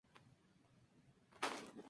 Este movimiento ya no existe en la actualidad.